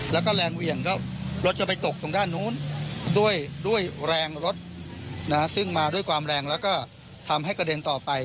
แล้วก็แรงเหวี่ยงก็รถจะไปตกตรงด้านนู้นด้วยแรงรถซึ่งมาด้วยความแรงแล้วก็ทำให้กระเด็นต่อไป